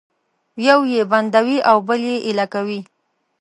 یو یې بندوي او بل یې ایله کوي